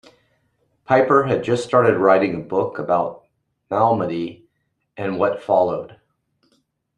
Peiper had just started writing a book about Malmedy and what followed.